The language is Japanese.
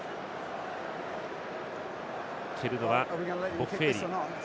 蹴るのは、ボッフェーリ。